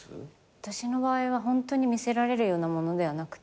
私の場合はホントに見せられるようなものではなくて。